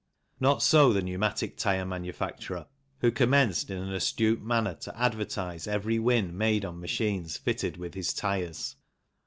Not so the pneumatic tyre manufacturer, who commenced in an astute manner to advertise every win made on machines fitted with his tyres.